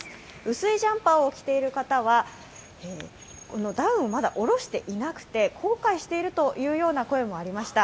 薄いジャンパーを着ている方はダウンをまだおろしてなくて後悔しているという声もありました。